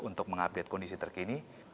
untuk mengupdate kondisi terkini